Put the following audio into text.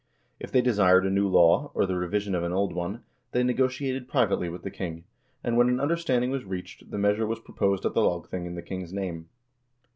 If they desired a new law, or the revision of an old one, they negotiated privately with the king, and when an understanding was reached, the measure was proposed at the lagthing in the king's name.